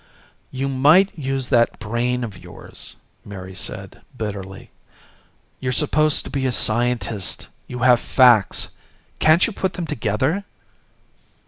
"You might use that brain of yours," Mary said bitterly. "You're supposed to be a scientist. You have facts. Can't you put them together?"